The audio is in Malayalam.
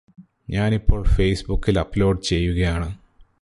ഞാനിപ്പോള് ഫേസ്ബുക്കിൽ അപ്ലോഡ് ചെയ്യുകയാണ്